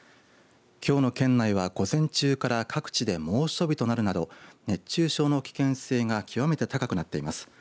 きょうの県内は午前中から各地で猛暑日となるなど熱中症の危険性が極めて高くなっています。